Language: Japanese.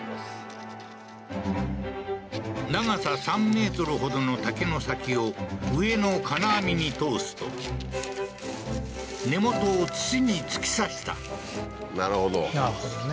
長さ３メートルほどの竹の先を上の金網に通すと根元を土に突き刺したなるほどなるほどね